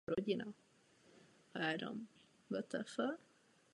Rostlina kvete postupně od května do srpna.